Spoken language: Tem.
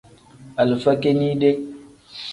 Alifa kinide.